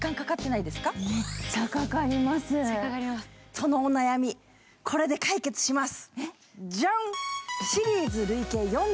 そのお悩み、これで解決します。